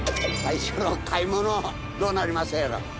最初の買い物どうなりますやら。